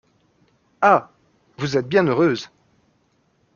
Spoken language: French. Ah ! vous êtes bien heureuse !